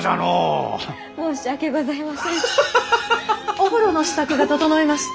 お風呂の支度が整いました。